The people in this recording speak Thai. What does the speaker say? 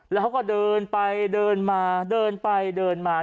แล้วเขาก็เดินไปเดินมาเดินไปเดินมา